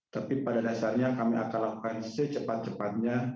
tapi pada dasarnya kami akan lakukan secepat cepatnya